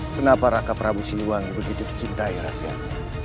kenapa raka prabu siliwangi begitu dicintai rakyat